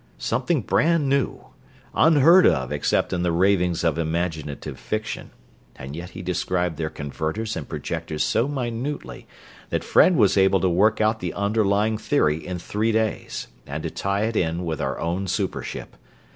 Something brand new unheard of except in the ravings of imaginative fiction and yet he described their converters and projectors so minutely that Fred was able to work out the underlying theory in three days, and to tie it in with our own super ship.